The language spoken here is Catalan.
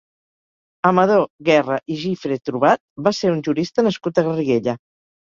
Amador Guerra i Gifre-Trobat va ser un jurista nascut a Garriguella.